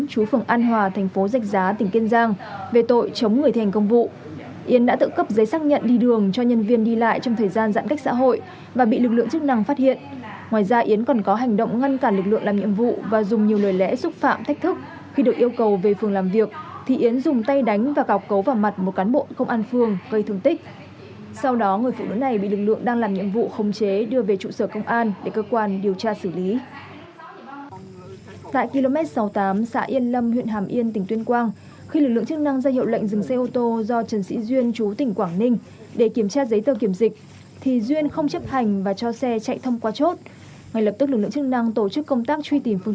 chú phường an hòa tp giách giá tỉnh kiên giang về tội chống người thành công vụ